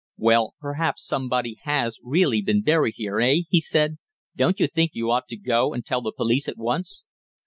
"Well, perhaps somebody has really been buried here eh?" he said. "Don't you think you ought to go and tell the police at once?"